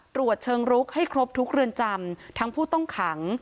ตรวจเชิงลุกให้ครบทุกเรือนจำทั้งผู้ต้องขัง